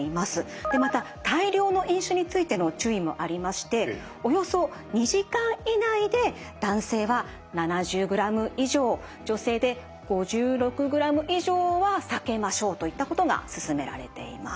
でまた大量の飲酒についての注意もありましておよそ２時間以内で男性は７０グラム以上女性で５６グラム以上は避けましょうといったことがすすめられています。